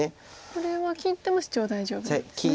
これは切ってもシチョウは大丈夫なんですね。